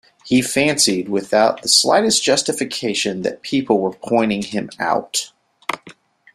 He fancied without the slightest justification that people were pointing him out.